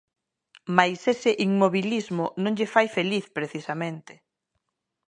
Mais ese inmobilismo non lle fai feliz precisamente.